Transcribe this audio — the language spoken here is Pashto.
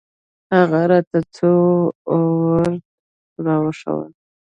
هغه راته څو اوراد راوښوول.